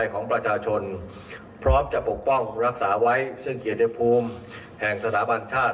ของแบบเดิ้มชูฟโรงแศนปรากฏ